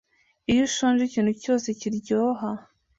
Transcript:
Iyo ushonje ikintu cyose kiryoha